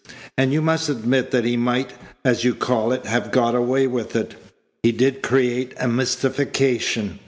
And you must admit that he might, as you call it, have got away with it. He did create a mystification.